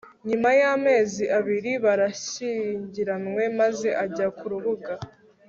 nyuma y'amezi abiri, barashyingiranywe maze ajya ku rugamba